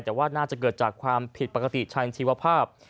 แต่ว่าน่าจะเกิดจากความผิดปกติชันชีวภาพ